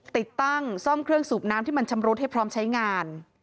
ติดตั้งซ่อมเครื่องสูบน้ำที่มันชำรุดให้พร้อมใช้งาน